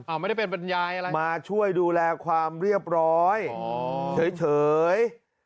ไม่ได้เป็นบรรยายอะไรมาช่วยดูแลความเรียบร้อยเฉย